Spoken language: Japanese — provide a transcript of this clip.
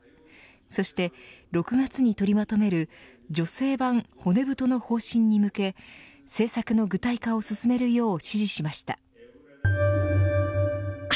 そして６月に取りまとめる女性版骨太の方針に向け政策の具体化を進めるよう指示しました。